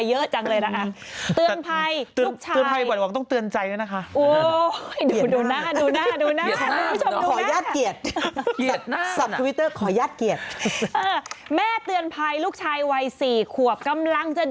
อยู่เล็กเปล่า